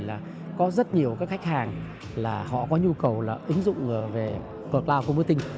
là có rất nhiều các khách hàng là họ có nhu cầu là ứng dụng về cloud compoting